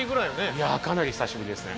いやあかなり久しぶりですね。